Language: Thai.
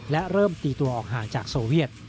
และเริ่มตีตัวออกห่างจากโซเวียต